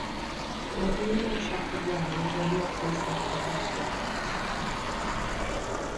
Mae dyn mewn siaced wen yn gwirio pwysedd gwaed dynes.